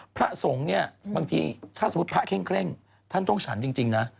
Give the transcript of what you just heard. พระสงฆ์เนี่ยบางทีถ้าสมมุติพระเคร่งท่านต้องฉันจริงนะ